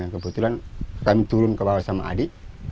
kebetulan kami turun ke bawah sama adik